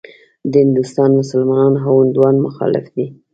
د هندوستان مسلمانان او هندوان مخالف دي.